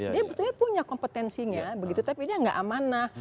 dia betulnya punya kompetensinya begitu tapi dia tidak amanah